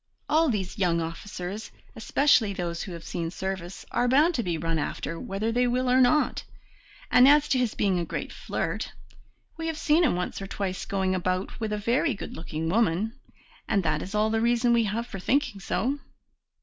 All these young officers, especially those who have seen service, are bound to be run after, whether they will or not. And as to his being a great flirt, we have seen him once or twice going about with a very good looking woman, and that is all the reason we have for thinking so."